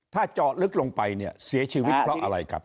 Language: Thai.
ถ้าเจาะลึกลงไปเนี่ยเสียชีวิตเพราะอะไรครับ